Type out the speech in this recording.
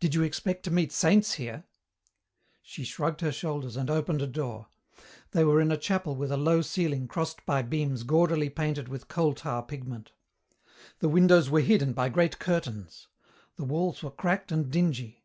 "Did you expect to meet saints here?" She shrugged her shoulders and opened a door. They were in a chapel with a low ceiling crossed by beams gaudily painted with coal tar pigment. The windows were hidden by great curtains. The walls were cracked and dingy.